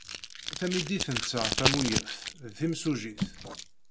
Tamidit-nteɣ tamuyaft d timsujjit.